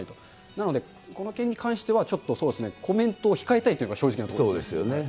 なので、この件に関しては、ちょっとそうですね、コメントを控えたいというのが正直なところです。